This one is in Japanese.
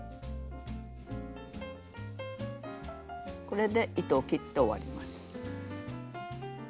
これで糸を切って終わります。